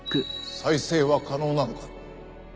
再生は可能なのか？